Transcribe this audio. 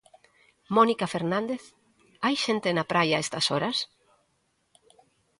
Mónica Fernández, hai xente na praia a estas horas?